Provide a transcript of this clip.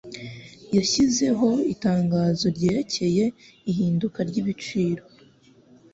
Yashyizeho itangazo ryerekeye ihinduka ryibiciro